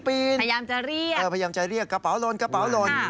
พยายามจะเรียกกระเป๋าลน